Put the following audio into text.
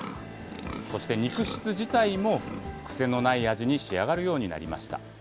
そして肉質自体も癖のない味に仕上がるようになりました。